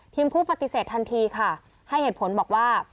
ผู้ปฏิเสธทันทีค่ะให้เหตุผลบอกว่า